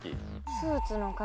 スーツの数。